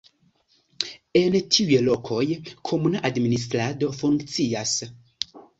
En tiuj lokoj komuna administrado funkcias.